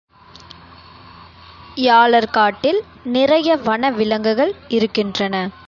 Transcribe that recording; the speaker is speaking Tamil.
யாலர் காட்டில் நிறைய வன விலங்குகள் இருக்கின்றன.